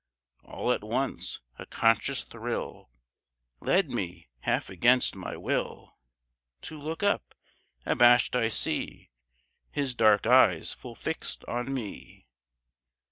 All at once a conscious thrill Led me, half against my will, To look up. Abashed I see His dark eyes full fixed on me.